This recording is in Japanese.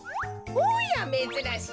おやめずらしい。